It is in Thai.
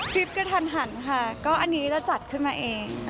คลิปกระทันหันค่ะก็อันนี้จะจัดขึ้นมาเอง